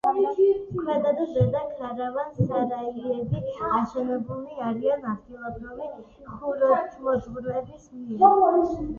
ქვედა და ზედა ქარავან-სარაიები, აშენებულნი არიან ადგილობრივი ხუროთმოძღვრების მიერ.